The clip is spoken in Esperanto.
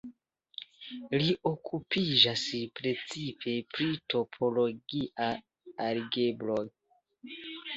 Li okupiĝas precipe pri topologia algebro.